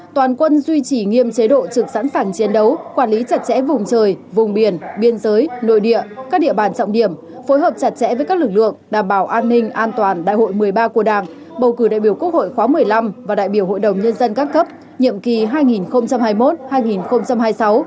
toàn quân duy trì nghiêm chế độ trực sẵn sàng chiến đấu quản lý chặt chẽ vùng trời vùng biển biên giới nội địa các địa bàn trọng điểm phối hợp chặt chẽ với các lực lượng đảm bảo an ninh an toàn đại hội một mươi ba của đảng bầu cử đại biểu quốc hội khóa một mươi năm và đại biểu hội đồng nhân dân các cấp nhiệm kỳ hai nghìn hai mươi một hai nghìn hai mươi sáu